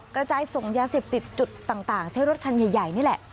กระจายส่งยาเสพติดจุดต่างใช้รถคันใหญ่นี่แหละ